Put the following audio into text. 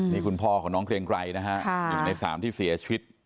นี่คุณพ่อของน้องเกรงไกรนะฮะ๑ใน๓ที่เสียชีวิต